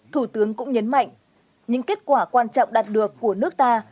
thủ tướng cũng nhấn mạnh những kết quả quan trọng đạt được của nước ta